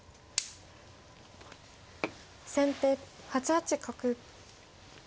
先手８八角。